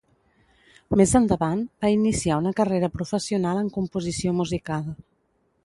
Més endavant va iniciar una carrera professional en composició musical.